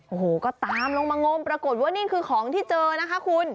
โอ้โหก็ตามลงมางมปรากฏว่านี่คือของที่เจอนะคะคุณ